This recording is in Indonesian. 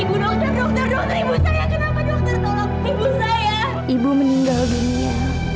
ibu dokter dokter dokter ibu saya kenapa dokter tolong ibu saya ibu meninggal dunia